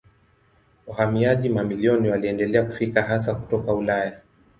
Wahamiaji mamilioni waliendelea kufika hasa kutoka Ulaya.